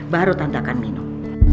baru tante akan minum